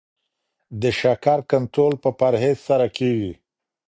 د شکر کنټرول په پرهیز سره کیږي.